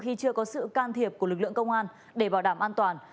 khi chưa có sự can thiệp của lực lượng công an để bảo đảm an toàn